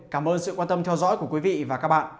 cảm ơn sự quan tâm theo dõi của quý vị và các bạn